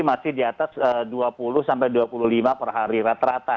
masih di atas dua puluh sampai dua puluh lima per hari rata rata